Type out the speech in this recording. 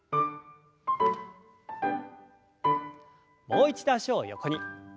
もう一度脚を横に。